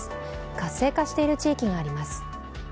活性化している地域があります。